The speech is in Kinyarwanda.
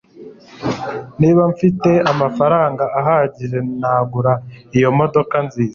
Niba mfite amafaranga ahagije nagura iyo modoka nziza